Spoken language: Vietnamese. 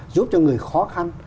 giúp cho người khó khăn